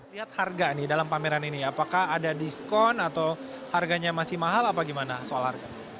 lihat harga nih dalam pameran ini apakah ada diskon atau harganya masih mahal apa gimana soal harga